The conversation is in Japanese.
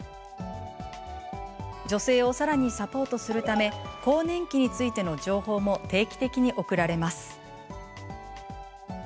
女性をさらにサポートするため更年期についての情報も定期的に送られます。